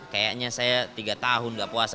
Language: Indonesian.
kayaknya saya tiga tahun gak puasa